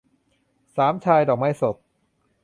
สามชาย - ดอกไม้สด